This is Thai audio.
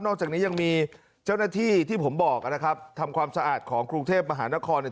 อกจากนี้ยังมีเจ้าหน้าที่ที่ผมบอกนะครับทำความสะอาดของกรุงเทพมหานครเนี่ย